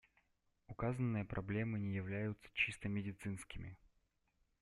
Указанные проблемы не являются чисто медицинскими.